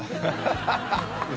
ハハハ